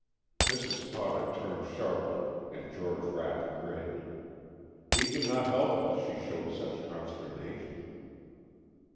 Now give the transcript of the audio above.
Mrs. Potter turned sharply and George Rapp grinned. He could not help it, she showed such consternation.